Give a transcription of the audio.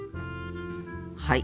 はい。